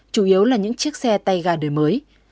chủ yếu là những chiếc xe tay gà đời mới